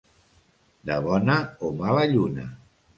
De bona o mala lluna.